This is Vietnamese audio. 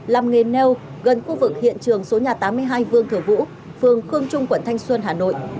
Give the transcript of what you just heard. làm nghề neo gần khu vực hiện trường số nhà tám mươi hai vương thừa vũ phường khương trung quận thanh xuân hà nội